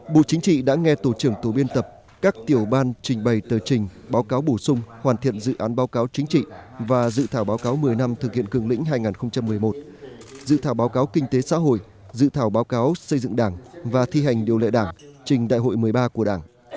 bộ chính trị đã nghe tổ trưởng tổ biên tập các tiểu ban trình bày tờ trình báo cáo bổ sung hoàn thiện dự án báo cáo chính trị và dự thảo báo cáo một mươi năm thực hiện cường lĩnh hai nghìn một mươi một dự thảo báo cáo kinh tế xã hội dự thảo báo cáo xây dựng đảng và thi hành điều lệ đảng trình đại hội một mươi ba của đảng